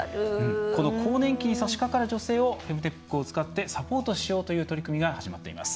この更年期にさしかかる女性をフェムテックを使ってサポートしようという取り組みが始まっています。